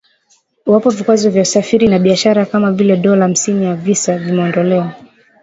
iwapo vikwazo vya kusafiri na biashara kama vile dola hamsini ya visa vimeondolewa